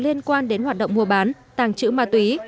liên quan đến hoạt động mua bán tàng trữ ma túy